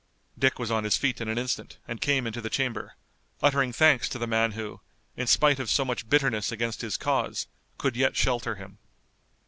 Dick was on his feet in an instant, and came into the chamber, uttering thanks to the man who, in spite of so much bitterness against his cause, could yet shelter him.